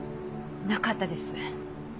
なかったです。